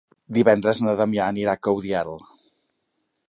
Divendres na Damià anirà a Caudiel.